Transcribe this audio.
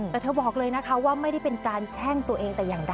แต่เธอบอกเลยนะคะว่าไม่ได้เป็นการแช่งตัวเองแต่อย่างใด